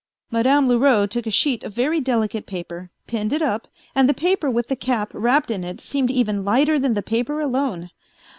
Madame Leroux took a sheet of very delicate paper, pinned it up, and the paper with the cap wrapped in it seemed even lighter than the paper alone.